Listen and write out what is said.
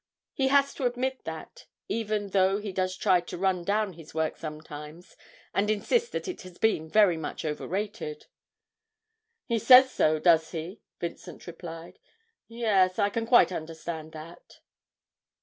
He has to admit that, even though he does try to run down his work sometimes, and insist that it has been very much overrated!' 'He says so, does he?' Vincent replied. 'Yes, I can quite understand that.'